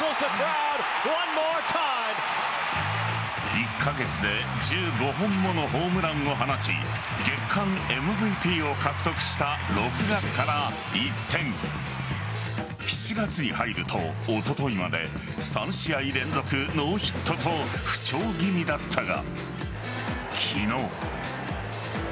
１カ月で１５本ものホームランを放ち月間ＭＶＰを獲得した６月から一転７月に入るとおとといまで３試合連続ノーヒットと不調気味だったが昨日。